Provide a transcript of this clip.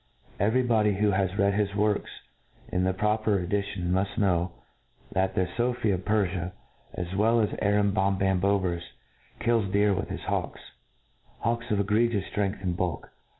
Every body who has read his works in the proper edi tion muft know, that the Sophi of Perfia, as well as Arambombamboberus, kills deer by his hawks, hawks of egregious ftrength and bulk.